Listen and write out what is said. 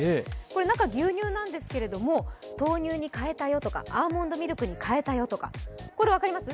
中は牛乳なんですけれども豆乳に変えたよとかアーモンドミルクに変えたよとかこれ分かります？